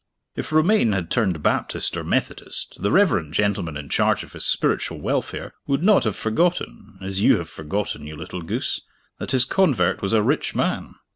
If Romayne had turned Baptist or Methodist, the reverend gentleman in charge of his spiritual welfare would not have forgotten as you have forgotten, you little goose that his convert was a rich man.